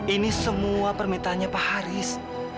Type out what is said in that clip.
ini semua permintaannya pak haris